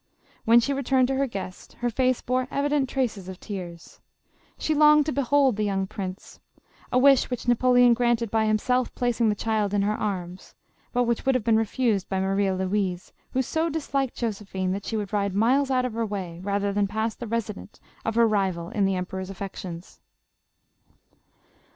When she returned to her guests, her face bore evident traces of tears. She longed to behold the young prince — a wish which Napoleon granted by himself placing the child in her arms, but which would have been refused by Maria Louise, who so disliked Jose phine that she would ride miles out of her way, rather than pass the residence of her rival in the emperor's affections.